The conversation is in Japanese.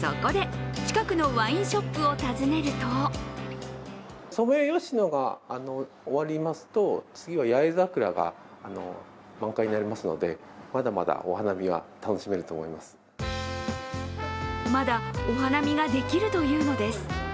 そこで、近くのワインショップを訪ねるとまだ、お花見ができるというのです。